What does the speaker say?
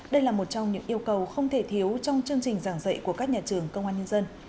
đây là một trong những yêu cầu không thể thiếu trong chương trình giảng dạy của các nhà trường công an nhân dân